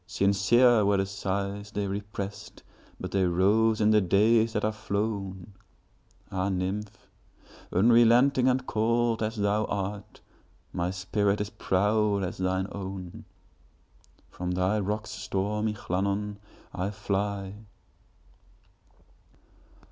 Sincere were the sighs they represt, But they rose in the days that are flown! Ah, nymph! unrelenting and cold as thou art, My spirit is proud as thine own! From thy rocks, stormy Llannon, I fly.